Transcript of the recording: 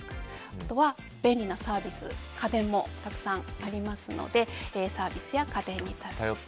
あとは便利なサービス家電もたくさんありますのでサービスや家電に頼る。